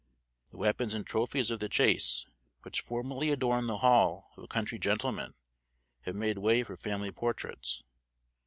The weapons and trophies of the chase, which formerly adorned the hall of a country gentleman, have made way for family portraits.